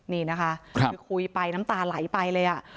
นี่นะคะคือคุยไปน้ำตาไหลไปเลย